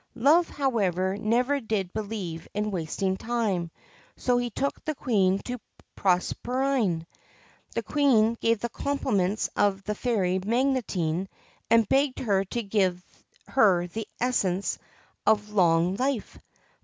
Love, however, never did believe in wasting time, so he took the Queen to Proserpine. The Queen gave the compliments of the fairy Magotine, and begged her to give her the Essence of Long Life.